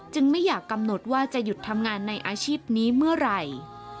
ไม่อยากกำหนดว่าจะหยุดทำงานในอาชีพนี้เมื่อไหร่